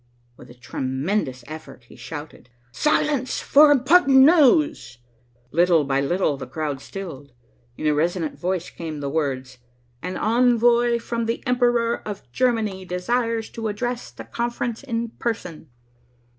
With a tremendous effort, he shouted, "Silence for important news." Little by little, the crowd stilled. In a resonant voice came the words, "An envoy from the Emperor of Germany desires to address the conference in person."